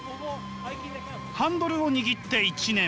ハンドルを握って１年。